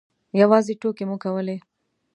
یوازې ټوکې مو کولې.